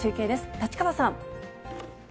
立川さん。